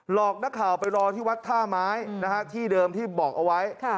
อกนักข่าวไปรอที่วัดท่าไม้ที่เดิมที่บอกเอาไว้